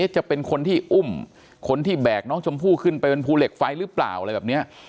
จะเป็นคนที่อุ้มคนที่แบกน้องชมพู่ขึ้นไปบนภูเหล็กไฟหรือเปล่าอะไรแบบนี้